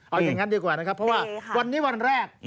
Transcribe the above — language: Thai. เอาอย่างนั้นดีกว่านะครับเพราะว่าวันนี้วันแรก